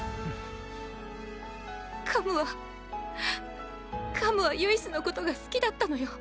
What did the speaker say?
カムはカムはユイスのことが好きだったのよ。